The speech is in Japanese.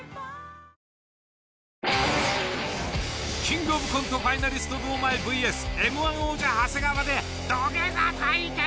キングオブコントファイナリスト・堂前ｖｓＭ−１王者・長谷川で「土下座」対決。